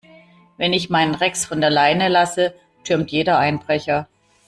Wenn ich meinen Rex von der Leine lasse, türmt jeder Einbrecher.